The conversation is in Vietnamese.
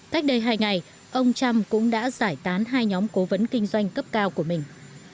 cách đây hai ngày ông trump cũng đã giải tán hai nhóm cố vấn kinh doanh cấp cao của mình